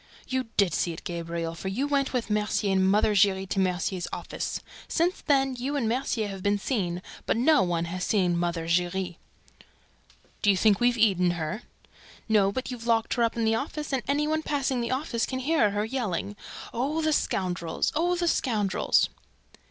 "You did see it, Gabriel, for you went with Mercier and Mother Giry to Mercier's office. Since then, you and Mercier have been seen, but no one has seen Mother Giry." "Do you think we've eaten her?" "No, but you've locked her up in the office; and any one passing the office can hear her yelling, 'Oh, the scoundrels! Oh, the scoundrels!'"